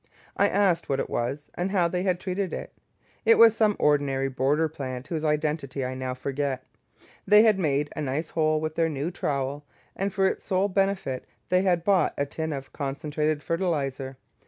I asked what it was, and how they had treated it. It was some ordinary border plant, whose identity I now forget; they had made a nice hole with their new trowel, and for its sole benefit they had bought a tin of Concentrated Fertiliser.